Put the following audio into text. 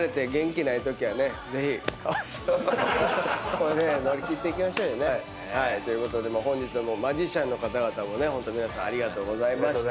これで乗り切っていきましょうね。ということで本日マジシャンの方々も皆さんありがとうございました！